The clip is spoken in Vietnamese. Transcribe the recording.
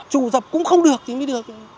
chủ dập cũng không được thì mới được